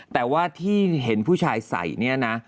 แต่ว่าที่เห็นผู้ชายใส่เนี่ยนะ